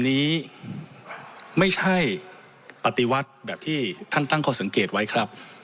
นี้ไม่ใช่ปฏิวัติแบบที่ท่านตั้งข้อสังเกตไว้ครับ